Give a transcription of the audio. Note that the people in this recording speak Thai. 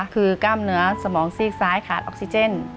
คือกล้ามเนื้อสมองซีกซ้ายขาดออกซิเจน